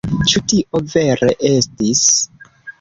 Ĉu tio vere estis?